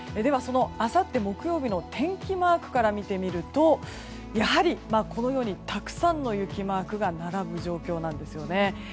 あさって木曜日の天気マークから見てみるとやはり、たくさんの雪マークが並ぶ状況なんですね。